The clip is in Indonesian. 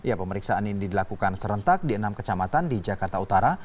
ya pemeriksaan ini dilakukan serentak di enam kecamatan di jakarta utara